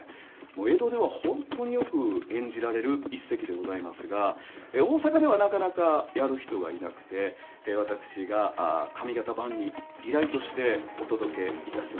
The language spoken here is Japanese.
もう江戸では本当によく演じられる一席でございますが大阪ではなかなかやる人がいなくてで私が上方版にリライトしてお届けいたします。